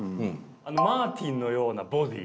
マーティンのようなボディー。